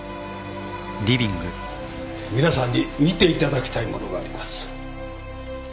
皆さんに見ていただきたいものがあります。